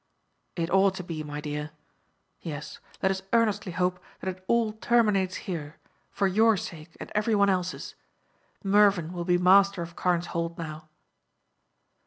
"It ought to be, my dear. Yes, let us earnestly hope that it all terminates here, for your sake and every one else's. Mervyn will be master of Carne's Hold now."